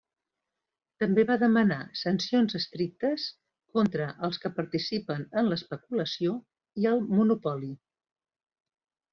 També va demanar sancions estrictes contra els que participen en l'especulació i el monopoli.